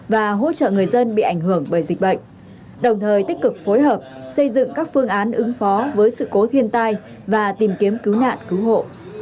và hỗ trợ người dân bị ảnh hưởng bởi dịch bệnh đồng thời tích cực phối hợp xây dựng các phương án ứng phó với sự cố thiên tai và tìm kiếm cứu nạn cứu hộ